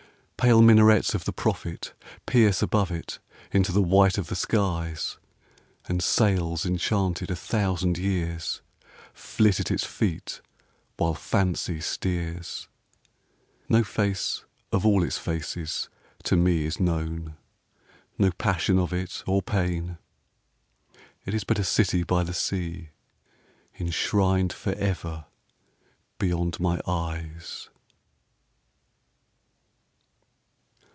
Pale minarets of the Prophet pierce Above it into the white of the skies, And sails enchanted a thousand years Flit at its feet while fancy steers. No face of all its faces to me Is known no passion of it or pain. It is but a city by the sea, Enshrined forever beyond my eyes!